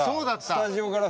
スタジオからさ。